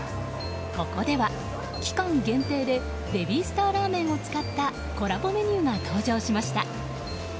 ここでは、期間限定でベビースターラーメンを使ったコラボメニューが登場しました。